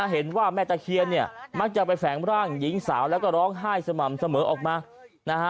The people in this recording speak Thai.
เห็นว่าแม่ตะเคียนมักจะไปแฝงร่างหญิงสาวแล้วก็ร้องไห้สม่ำเสมอออกมา